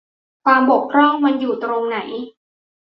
ความบกพร่องมันอยู่ตรงไหน ?